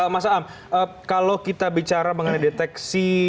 mas aam kalau kita bicara mengenai deteksi